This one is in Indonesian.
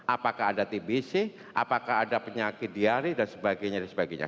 apakah ada tbc apakah ada penyakit diari dan sebagainya